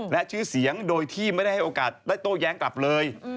และชื่อเสียงโดยที่ไม่ได้ให้โอกาสได้โต้แย้งกลับเลย